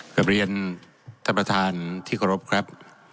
กระเบียนท่านประธานที่ขอรับครับ